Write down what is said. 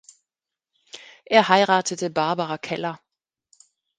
Er heiratete Barbara Keller.